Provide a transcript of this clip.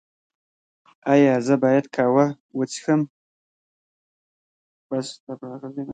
ایا زه باید قهوه وڅښم؟